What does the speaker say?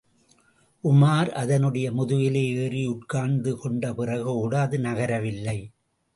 உமார் அதனுடைய முதுகிலே ஏறி உட்கார்ந்து கொண்ட பிறகு கூட அது நகரவில்லை.